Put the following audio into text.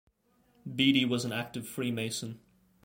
Beedy was an active Freemason.